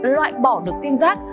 loại bỏ được sim giác